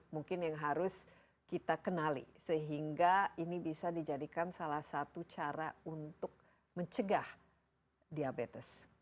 mungkin yang harus kita kenali sehingga ini bisa dijadikan salah satu cara untuk mencegah diabetes